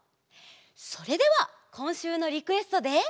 それではこんしゅうのリクエストで。